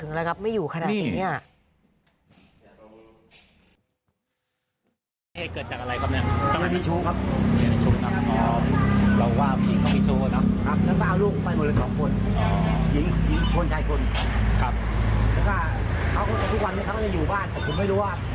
ถึงระงับไม่อยู่ขนาดนี้